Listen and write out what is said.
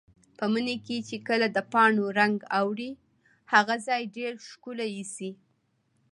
په مني کې چې کله د پاڼو رنګ اوړي، هغه ځای ډېر ښکلی ایسي.